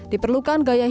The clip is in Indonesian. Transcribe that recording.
diperlukan gaya hidupnya